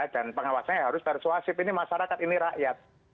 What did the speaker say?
dan pengawasannya harus persuasif ini masyarakat ini rakyat